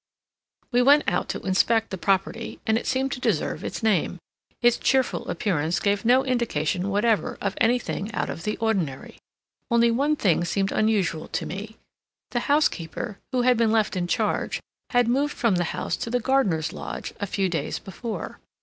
We went out to inspect the property, and it seemed to deserve its name. Its cheerful appearance gave no indication whatever of anything out of the ordinary. Only one thing seemed unusual to me: the housekeeper, who had been left in charge, had moved from the house to the gardener's lodge, a few days before.